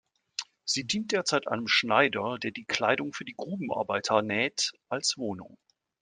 Sie dient derzeit einem Schneider, der die Kleidung für die Grubenarbeiter näht, als Wohnung.